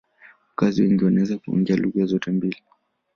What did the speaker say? Wakazi wengi wanaweza kuongea lugha zote mbili.